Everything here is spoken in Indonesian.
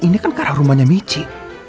ini kan karena rumahnya michi